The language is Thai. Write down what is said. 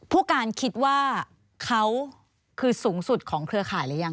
ผู้การคิดว่าเขาคือสูงสุดของเครือข่ายหรือยัง